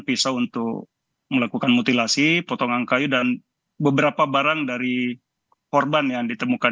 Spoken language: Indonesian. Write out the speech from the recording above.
pisau untuk melakukan mutilasi potongan kayu dan beberapa barang dari korban yang ditemukan